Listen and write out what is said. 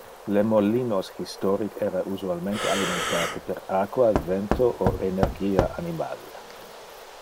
Le molinos historic era usualmente alimentate per aqua, vento o energia animal.